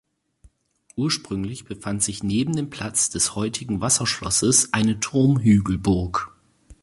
Ursprünglich befand sich neben dem Platz des heutigen Wasserschlosses eine Turmhügelburg.